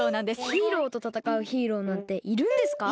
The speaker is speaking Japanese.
ヒーローとたたかうヒーローなんているんですか？